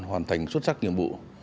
hoàn thành xuất sắc nhiệm vụ